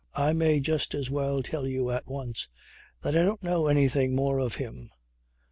I may just as well tell you at once that I don't know anything more of him.